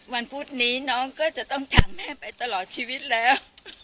พุธนี้น้องก็จะต้องถามแม่ไปตลอดชีวิตแล้ว